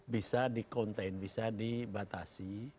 bisa di contain bisa dibatasi